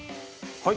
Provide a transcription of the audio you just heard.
はい。